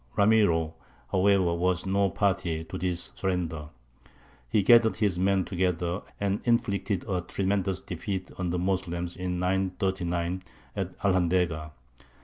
Ramiro, however, was no party to this surrender. He gathered his men together, and inflicted a tremendous defeat on the Moslems in 939 at Alhandega.